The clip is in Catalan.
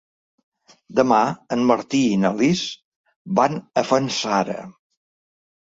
Demà en Martí i na Lis van a Fanzara.